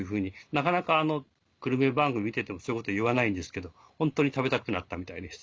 なかなかグルメ番組見ててもそういうこと言わないんですけどホントに食べたくなったみたいです。